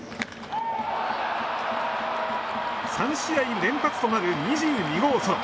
３試合連発となる２２号ソロ。